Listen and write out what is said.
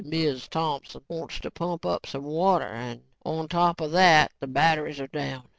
"Miz Thompson wants to pump up some water and on top of that, the batteries are down.